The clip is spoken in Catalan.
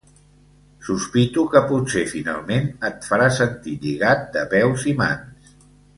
Sospito que potser finalment et farà sentir lligat de peus i mans.